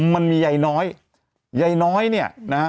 มันมียายน้อยยายน้อยเนี่ยนะฮะ